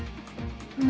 何？